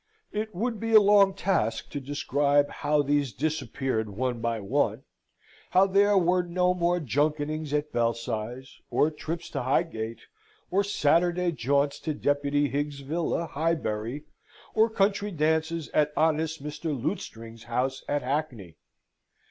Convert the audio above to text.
It would be a long task to describe how these disappeared one by one how there were no more junketings at Belsize, or trips to Highgate, or Saturday jaunts to Deputy Higgs' villa, Highbury, or country dances at honest Mr. Lutestring's house at Hackney.